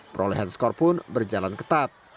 perolehan skor pun berjalan ketat